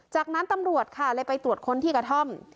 จากนั้นตำรวจค่ะเลยไปตรวจค้นที่กระท่อม